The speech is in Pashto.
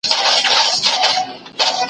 استاد وویل چي هر کار په صبر کيږي.